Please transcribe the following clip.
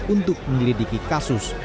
untuk menyelidiki kasus